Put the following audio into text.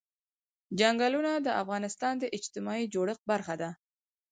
چنګلونه د افغانستان د اجتماعي جوړښت برخه ده.